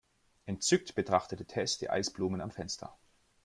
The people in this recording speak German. Entzückt betrachtete Tess die Eisblumen am Fenster.